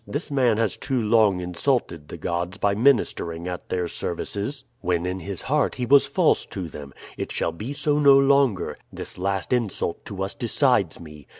This man has too long insulted the gods by ministering at their services, when in his heart he was false to them. It shall be so no longer; this last insult to us decides me!